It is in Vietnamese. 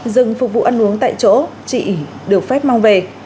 dừng phục vụ ăn uống tại chỗ chị được phép mang về